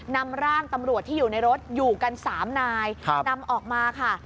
นำร่างตำรวจที่อยู่ในรถอยู่กัน๓นายนำออกมาค่ะ